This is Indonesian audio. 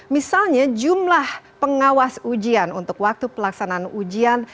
misalnya jumlah pengawas ujian untuk waktu pelaksanaan ujian